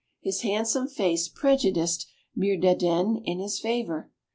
His handsome face prejudiced Mirdandenne in his favour.